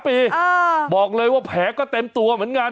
ปีบอกเลยว่าแผลก็เต็มตัวเหมือนกัน